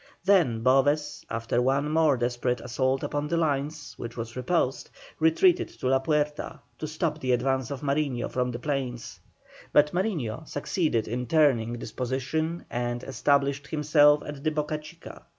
Then Boves after one more desperate assault upon the lines, which was repulsed, retreated to La Puerta, to stop the advance of Mariño from the plains. But Mariño succeeded in turning this position and established himself at the Boca Chica.